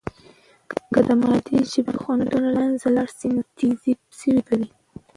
که د مادی ژبې خنډونه له منځه ولاړ سي، نو تیزي سوې به وي.